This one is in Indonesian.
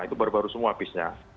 itu baru baru semua bisnya